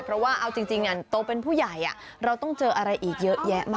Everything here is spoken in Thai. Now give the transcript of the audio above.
เพราะว่าเอาจริงโตเป็นผู้ใหญ่เราต้องเจออะไรอีกเยอะแยะมาก